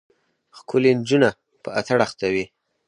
ښکلې نجونه په اتڼ اخته وې.